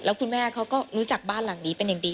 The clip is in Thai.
แล้วคุณแม่เขาก็รู้จักบ้านหลังนี้เป็นอย่างดี